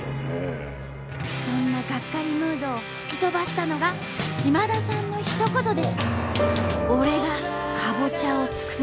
そんながっかりムードを吹き飛ばしたのが島田さんのひと言でした。